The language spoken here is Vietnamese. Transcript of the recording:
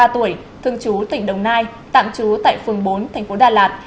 hai mươi ba tuổi thường trú tỉnh đồng nai tạm trú tại phường bốn thành phố đà lạt